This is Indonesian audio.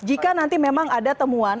jika nanti memang ada temuan